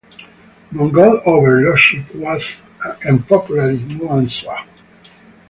Mongol overlordship was unpopular in Muang Sua.